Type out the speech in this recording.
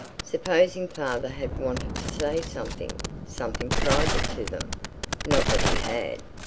Supposing father had wanted to say something—something private to them. Not that he had.